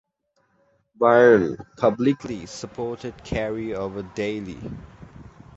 Byrne publicly supported Carey over Daley.